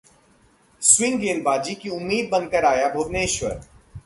swing गेंदबाजी की उम्मीद बनकर आया भुवनेश्वर